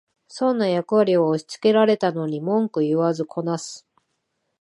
損な役割を押しつけられたのに文句言わずこなす